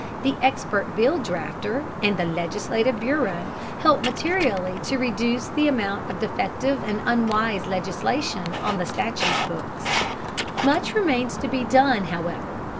The expert bill drafter and the legislative bureau help materially to reduce the amount of defective and unwise legislation on the statute books. Much remains to be done, however.